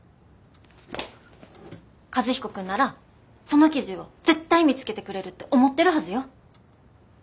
和彦君ならその記事を絶対見つけてくれるって思ってるはずよ。